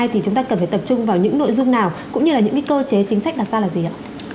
thì chúng ta cần phải tập trung vào những nội dung nào cũng như là những cơ chế chính sách đặt ra là gì ạ